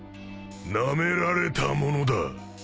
なめられたものだ。